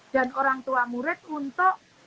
dan orang tua murid untuk